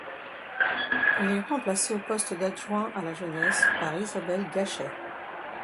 Il est remplacé au poste d'adjoint à la jeunesse par Isabelle Gachet.